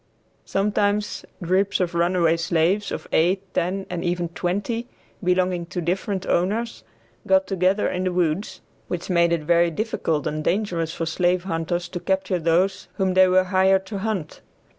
Sometimes groups of runaway slaves, of eight, ten and even twenty, belonging to different owners, got together in the woods, which made it very difficult and dangerous for slave hunters to capture those whom they were hired to hunt.